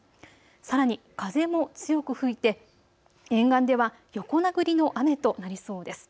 さらに風も強く吹いて沿岸では横殴りの雨となりそうです。